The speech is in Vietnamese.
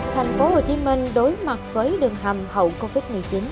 thành phố hồ chí minh đối mặt với đường hầm hậu covid một mươi chín